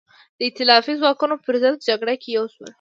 د ایتلافي ځواکونو پر ضد جګړه کې یو شول.